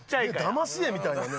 だまし絵みたいなね。